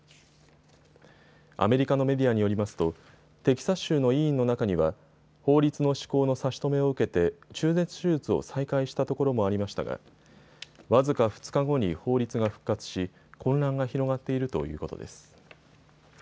アメリカのメディアによりますとテキサス州の医院の中には法律の施行の差し止めを受けて中絶手術を再開したところもありましたが僅か２日後に法律が復活し混乱が広がっているということです。